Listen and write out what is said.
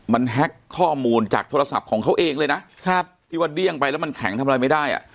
มันแฮ็กข้อมูลจากโทรศัพท์ของเขาเองเลยนะครับที่ว่าเดี้ยงไปแล้วมันแข็งทำอะไรไม่ได้อ่ะ